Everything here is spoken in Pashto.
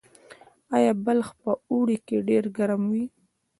آیا بلخ په اوړي کې ډیر ګرم وي؟